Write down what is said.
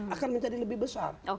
akan menjadi lebih besar